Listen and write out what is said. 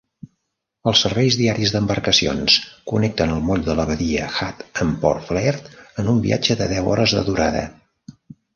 Els serveis diaris d'embarcacions connecten el moll de la badia Hut amb Port Blair en un viatge de deu hores de durada.